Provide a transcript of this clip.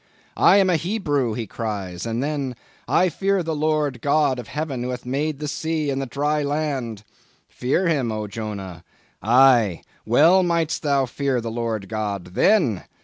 "'I am a Hebrew,' he cries—and then—'I fear the Lord the God of Heaven who hath made the sea and the dry land!' Fear him, O Jonah? Aye, well mightest thou fear the Lord God _then!